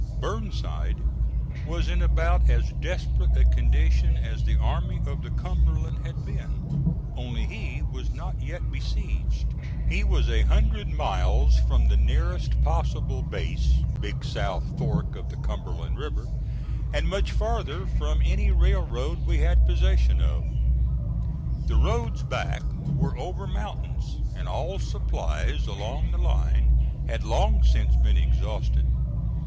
Burnside was in about as desperate a condition as the Army of the Cumberland had been, only he was not yet besieged. He was a hundred miles from the nearest possible base, Big South Fork of the Cumberland River, and much farther from any railroad we had possession of. The roads back were over mountains, and all supplies along the line had long since been exhausted.